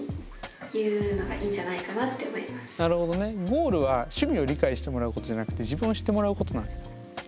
ゴールは趣味を理解してもらうことじゃなくて自分を知ってもらうことなわけだ。